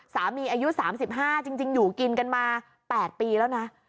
อายุ๓๕จริงอยู่กินกันมา๘ปีแล้วนะ